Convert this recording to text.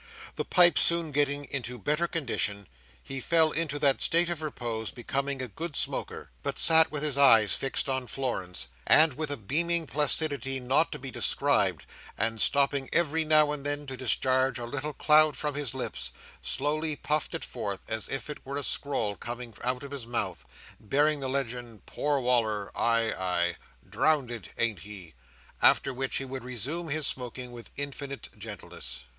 The pipe soon getting into better condition, he fell into that state of repose becoming a good smoker; but sat with his eyes fixed on Florence, and, with a beaming placidity not to be described, and stopping every now and then to discharge a little cloud from his lips, slowly puffed it forth, as if it were a scroll coming out of his mouth, bearing the legend "Poor Wal"r, ay, ay. Drownded, ain't he?" after which he would resume his smoking with infinite gentleness.